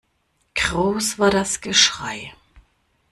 Groß war das Geschrei.